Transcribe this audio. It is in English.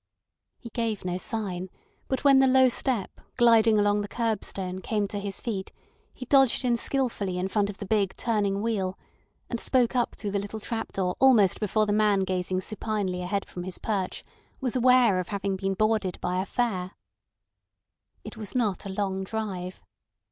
He gave no sign; but when the low step gliding along the curbstone came to his feet he dodged in skilfully in front of the big turning wheel, and spoke up through the little trap door almost before the man gazing supinely ahead from his perch was aware of having been boarded by a fare. It was not a long drive.